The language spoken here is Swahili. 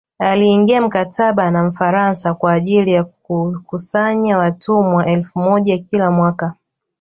Aliingia mkataba na mfaransa kwa ajili ya kukusanya watumwa elfu moja kila mwaka